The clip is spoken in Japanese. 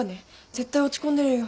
絶対落ち込んでるよ。